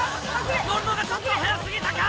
乗るのがちょっと早すぎたか？